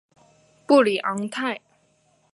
布里昂泰。